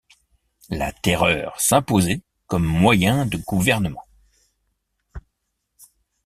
La terreur s'imposait comme moyen de gouvernement.